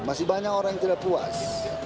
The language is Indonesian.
masih banyak orang yang tidak puas